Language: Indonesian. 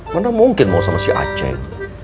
mana mungkin mau sama si aceh